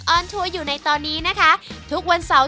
ของเจ้าหน้ากรีมาฮกวงนะครับ